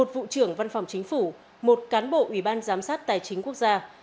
một vụ trưởng văn phòng chính phủ một cán bộ ủy ban giám sát tài chính quốc gia